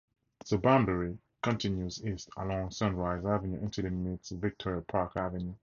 The boundary continues east along Sunrise Avenue until it meets Victoria Park Avenue.